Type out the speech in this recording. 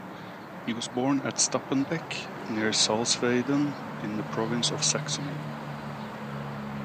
He was born at Stappenbeck near Salzwedel in the Province of Saxony.